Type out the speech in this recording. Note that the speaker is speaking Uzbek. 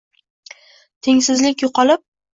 tengsizlik yoʻqolib